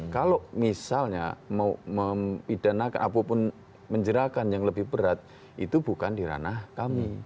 kalau misalnya mau mempidanakan apapun menjerahkan yang lebih berat itu bukan di ranah kami